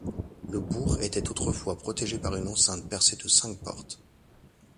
Le bourg était autrefois protégé par une enceinte percée de cinq portes.